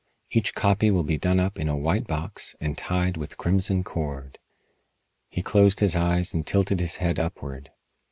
Each copy will be done up in a white box and tied with crimson cord." He closed his eyes and tilted his head upward.